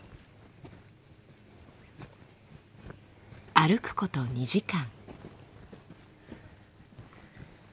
歩くこと２時間。